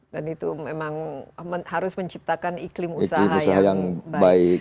dan itu memang harus menciptakan iklim usaha yang baik